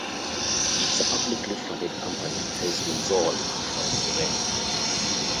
It is a publicly funded company, based in Seoul, South Korea.